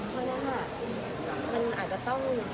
เพราะฉะนั้นมันอาจจะต้อง